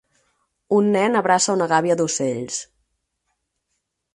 Un nen abraça una gàbia d'ocells.